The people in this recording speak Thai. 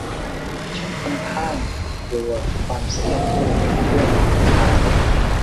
ฉันค่อนข้างจะกลัวความเสี่ยงเมื่อมันเป็นเรื่องเด็กทารก